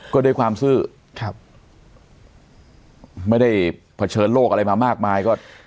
ก็ได้ความซื่อไม่ได้เผชิญโลกอะไรมามากมาย